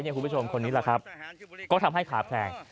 คุณผู้ชมคนนี้ก็ทำให้ขาแพง